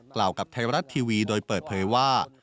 กล่าวกับไทยรัฐทีวีโดยเปิดเผยว่า